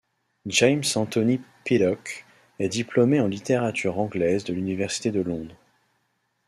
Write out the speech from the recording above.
James Anthony Piddock est diplômé en littérature anglaise de l'université de Londres.